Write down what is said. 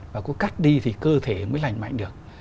và có cắt đi thì cơ thể mới lành mạnh được